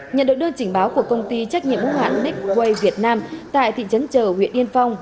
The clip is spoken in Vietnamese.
nhận được đơn trình báo của công ty trách nhiệm hóa hãng nextway việt nam tại thị trấn trở huyện yên phong